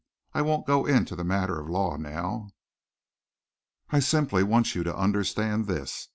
I won't go into the matter of law now. I simply want you to understand this.